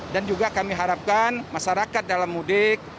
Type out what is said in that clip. dan juga kami harapkan masyarakat dalam mudik